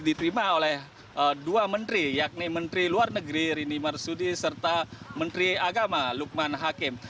diterima oleh dua menteri yakni menteri luar negeri rini marsudi serta menteri agama lukman hakim